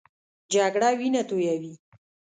جګړه وینه تویوي